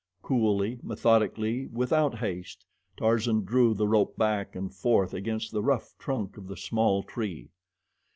Coolly, methodically, without haste, Tarzan drew the rope back and forth against the rough trunk of the small tree.